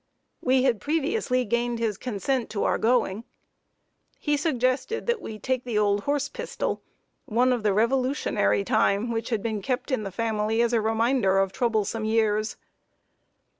We had previously gained his consent to our going. He suggested that we take the old horse pistol; one of the Revolutionary time, which had been kept in the family as a reminder of troublesome years.